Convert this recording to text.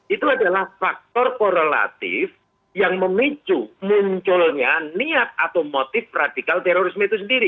itu adalah faktor korelatif yang memicu munculnya niat atau motif radikal terorisme itu sendiri